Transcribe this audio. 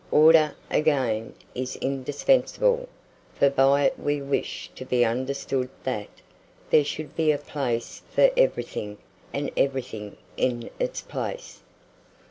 Order, again, is indispensable; for by it we wish to be understood that "there should be a place for everything, and everything in its place."